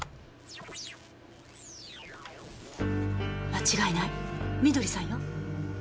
間違いないみどりさんよ。